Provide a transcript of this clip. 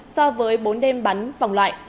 so với bốn đêm bắn vòng loại